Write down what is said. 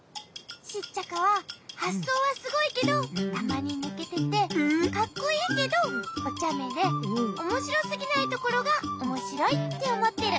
シッチャカははっそうはすごいけどたまにぬけててかっこいいけどおちゃめでおもしろすぎないところがおもしろいっておもってる。